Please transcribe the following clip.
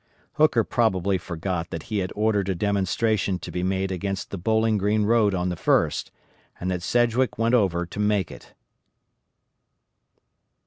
Hooker probably forgot that he had ordered a demonstration to be made against the Bowling Green road on the 1st, and that Sedgwick went over to make it.